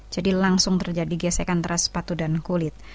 jadi langsung terjadi gesekan teras sepatu dan kulit